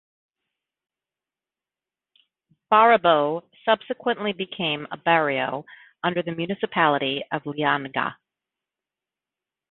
Barobo subsequently became a barrio under the municipality of Lianga.